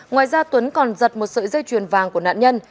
ngoài ra tuấn còn giật một sợi dây chuyền vàng của nạn nhân